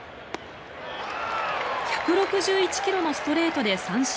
１６１ｋｍのストレートで三振。